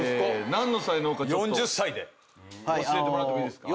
何の才能かちょっと教えてもらってもいいですか？